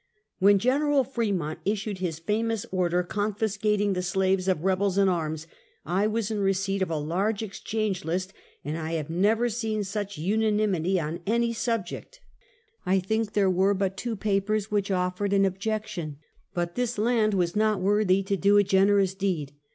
"When Gen. Fre mont issued his famous order confiscating the slaves of rebels in arms, I was in receipt of a large exchange list, and have never seen such unanimity on any sub 212 Half a Centckt. ject. I think there were but two papers which offered an objection; but this land was not worthy to do a generous deed.